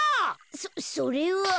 そそれは。